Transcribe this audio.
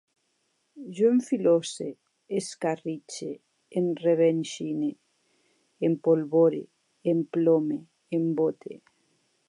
Jo enfilose, escarritxe, enrevenxine, empolvore, emplome, embote